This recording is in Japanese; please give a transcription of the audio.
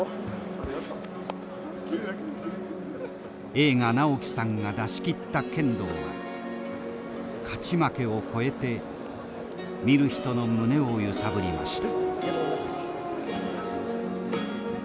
栄花直輝さんが出しきった剣道は勝ち負けを超えて見る人の胸を揺さぶりました。